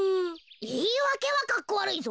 いいわけはかっこわるいぞ。